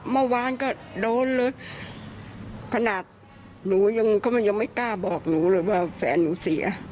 เมื่อวานก็โดนเลยขนาดหนูยังก็ยังไม่กล้าบอกหนูเลยว่าแฟนหนูเสีย